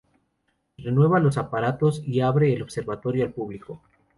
Renueva los aparatos y abre el observatorio al público.